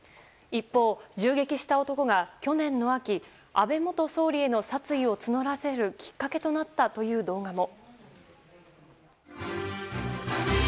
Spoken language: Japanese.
一方、銃撃した男が去年の秋、安倍元総理への殺意を募らせるきっかけとなった動画も。